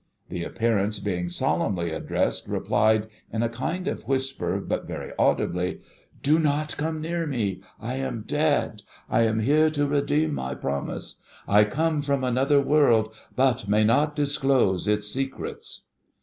The appearance being solemnly addressed, replied, in a kind of whisper, but very audibly, ' Do not come near me. I am dead. I am here to redeem my promise. I come from another world, but may not disclose its secrets